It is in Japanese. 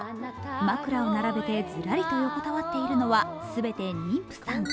枕を並べて、ずらりと横たわっているのは、全て妊婦さん。